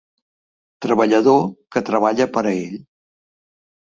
Treballador que treballa per a ell.